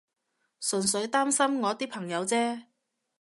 純粹擔心我啲朋友啫